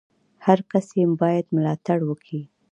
هر کس ئې بايد ملاتړ وکي!